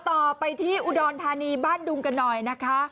ต่อไปที่อุดรธานีบ้านดุงกันหน่อยนะคะ